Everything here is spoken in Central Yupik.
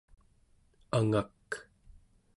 angak